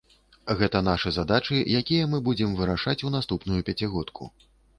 Гэта нашы задачы, якія мы будзем вырашаць у наступную пяцігодку.